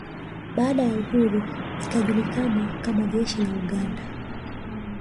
Baada ya uhuru ikijulikana kama jeshi la Uganda